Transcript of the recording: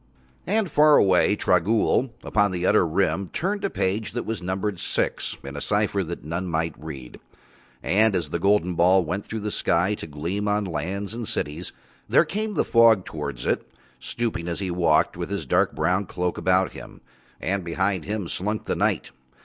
And far away Trogool upon the utter Rim turned a page that was numbered six in a cipher that none might read. And as the golden ball went through the sky to gleam on lands and cities, there came the Fog towards it, stooping as he walked with his dark brown cloak about him, and behind him slunk the Night.